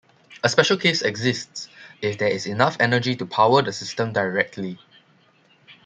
A special case exists, if there is enough energy to power the system directly.